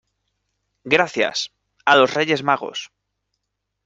gracias. a los Reyes Magos .